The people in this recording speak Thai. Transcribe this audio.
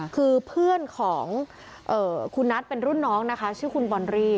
คือเพื่อนของคุณนัทเป็นรุ่นน้องนะคะชื่อคุณบอรี่